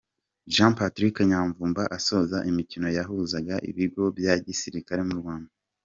Gen Patrick Nyamvumba asoza imikino yahuzaga ibigo bya gisirikare mu Rwanda.